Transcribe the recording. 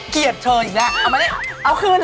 เกลียดเธออีกแล้วเอามานี่เอาคืนเหรอ